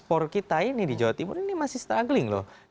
empat kita ini di jawa timur ini masih struggling loh